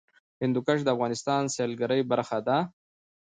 هندوکش د افغانستان د سیلګرۍ برخه ده.